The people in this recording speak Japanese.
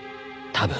多分。